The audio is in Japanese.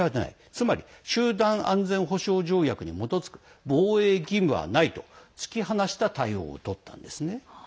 つまり集団安全保障条約に基づく防衛義務はないと突き放した対応をとったんです。